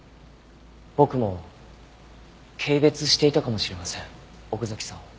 僕も軽蔑していたかもしれません奥崎さんを。